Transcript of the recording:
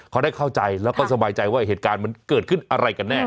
เขาได้เข้าใจแล้วก็สบายใจว่าเหตุการณ์มันเกิดขึ้นอะไรกันแน่